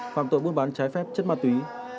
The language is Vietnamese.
phạm tội buôn bán trái phép chất ma túy